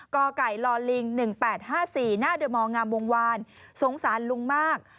ก่อก่ายลอนลิง๑๘๕๔หน้าเดิมองามวงวานสงสารลุงมาก